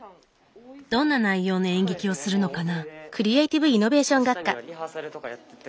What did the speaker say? どんな内容の演劇をするのかな？